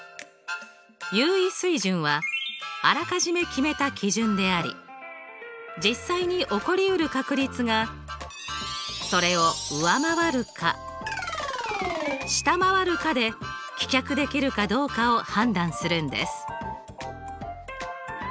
有意水準はあらかじめ決めた基準であり実際に起こりうる確率がそれを上回るか下回るかで棄却できるかどうかを判断するんです。